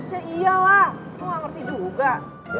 ya iyalah lo gak ngerti juga